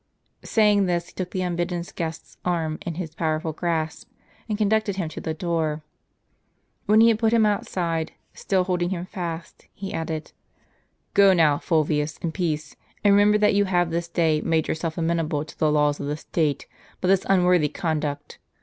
Saying this, he took the unbidden guest's arm in his powerful grasp, and conducted him to the door. When he had put him outside, still holding him fast, he added : "Go now, Fulvius, in peace ; and remember that you have this day made yourself amenable to the laws of the state by this unworthy con n o ® duct.